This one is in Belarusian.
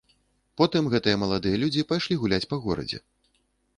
Потым гэтыя маладыя людзі пайшлі гуляць па горадзе.